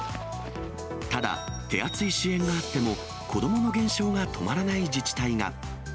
ただ、手厚い支援があっても、子どもの減少が止まらない自治体が。